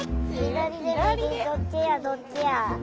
どっちやどっちや。